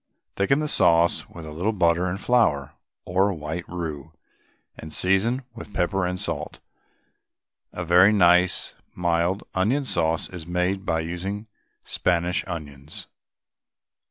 Thicken the sauce with a little butter and flour, or white roux, and season with pepper and salt. A very nice mild onion sauce is made by using Spanish onions.